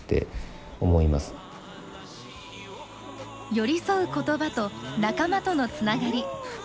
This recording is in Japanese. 寄り添う言葉と仲間とのつながり。